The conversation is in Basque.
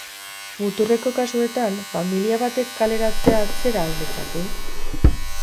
Muturreko kasuetan, familia batek kaleratzea atzera al dezake?